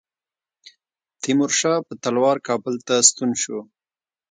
تیمورشاه په تلوار کابل ته ستون شو.